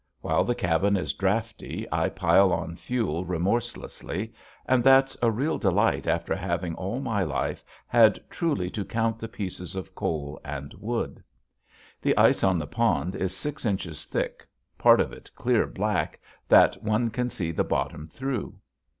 While the cabin is drafty I pile on fuel remorselessly, and that's a real delight after having all my life had truly to count the pieces of coal and wood. The ice on the pond is six inches thick, part of it clear black that one can see the bottom through.